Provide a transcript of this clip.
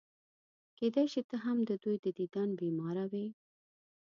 کېدای شي ته هم د دوی د دیدن بیماره وې.